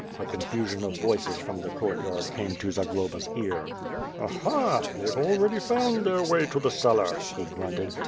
A confusion of voices from the courtyard came to Zagloba's ear. "Aha! they've already found their way to the cellar," he grunted.